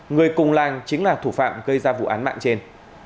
người cùng lan chính là thủ phạm gây ra vụ án mạng trên